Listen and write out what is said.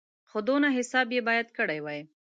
خو دونه حساب یې باید کړی وای.